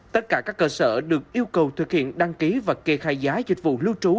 tất cả các cơ sở được yêu cầu thực hiện đăng ký và kê khai giá dịch vụ lưu trú